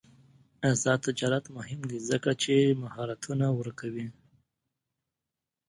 آزاد تجارت مهم دی ځکه چې مهارتونه ورکوي.